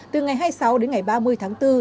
từ ngày hai mươi sáu đến ngày ba mươi tháng bốn